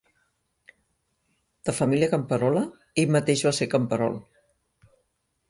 De família camperola, ell mateix va ser camperol.